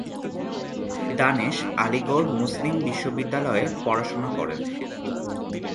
দানেশ আলিগড় মুসলিম বিশ্ববিদ্যালয়ে পড়াশোনা করেন।